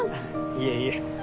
いえいえ。